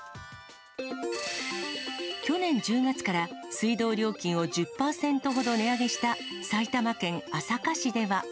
去年１０月から水道料金を１０％ほど値上げした、埼玉県朝霞市では。